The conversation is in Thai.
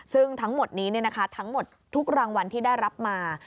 ซึ่งทั้งหมดนี้ทั้งหมดทุกรางวัลที่ได้รับมา